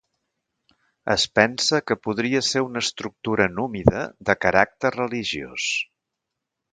Es pensa que podria ser una estructura númida de caràcter religiós.